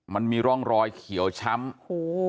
มันมีร่องรอยเขียวช้ำโอ้โห